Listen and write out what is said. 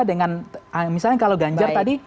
dengan misalnya kalau ganjar tadi